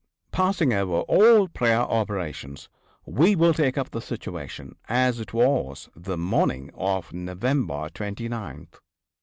Passing over all prior operations we will take up the situation as it was the morning of November 29th.